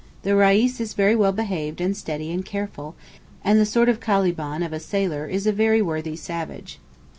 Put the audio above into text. The Reis is very well behaved and steady and careful, and the sort of Caliban of a sailor is a very worthy savage.